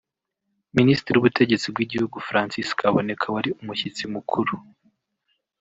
Minisitiri w’ubutegetsi bw’igihugu Francis Kaboneka wari umushyitsi mukuru